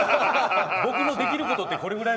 僕のできることってこれくらい。